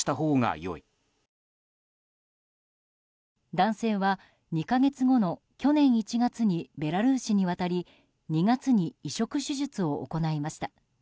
男性は２か月後の去年１月にベラルーシに渡り２月に移植手術を行いました。